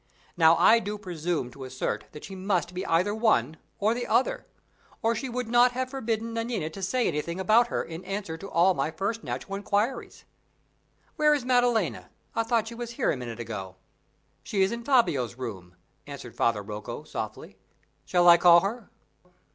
Now, I do presume to assert that she must be either one or the other or she would not have forbidden Nanina to say anything about her in answer to all my first natural inquiries. Where is Maddalena? I thought she was here a minute ago." "She is in Fabio's room," answered Father Rocco, softly. "Shall I call her?"